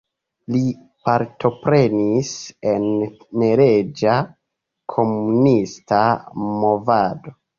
Li partoprenis en neleĝa komunista movado.